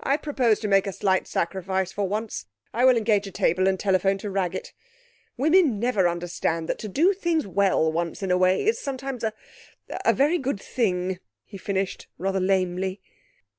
'I propose to make a slight sacrifice for once.... I will engage a table and telephone to Raggett. Women never understand that to do things well, once in a way, is sometimes a a very good thing,' he finished rather lamely.